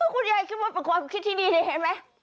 คุณยายคิดว่าเป็นความคิดที่ดีนี่เห็นไหม